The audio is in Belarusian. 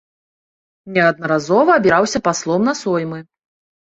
Неаднаразова абіраўся паслом на соймы.